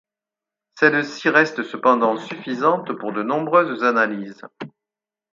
Celle-ci reste cependant suffisante pour de nombreuses analyses.